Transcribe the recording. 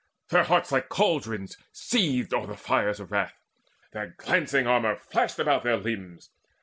Their hearts like caldrons seethed o'er fires of wrath, Their glancing armour flashed about their limbs.